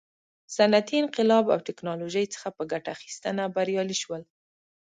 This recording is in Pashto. صنعتي انقلاب او ټکنالوژۍ څخه په ګټه اخیستنه بریالي شول.